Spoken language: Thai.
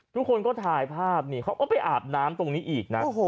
ทุกคนก็ถ่ายภาพนี่เขาก็ไปอาบน้ำตรงนี้อีกนะ